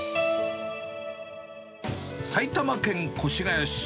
埼玉県越谷市。